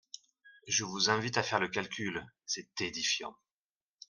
Je vous invite à faire le calcul : c’est édifiant.